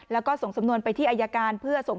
สองสามีภรรยาคู่นี้มีอาชีพ